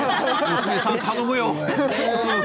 娘さん、頼むよ